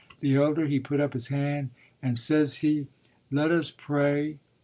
The elder he put up his hand and says he, 'Let us pray!'